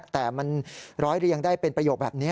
แต่มันร้อยเรียงได้เป็นประโยคแบบนี้